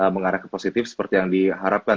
mengarah ke positif seperti yang diharapkan